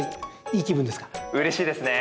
うれしいですね。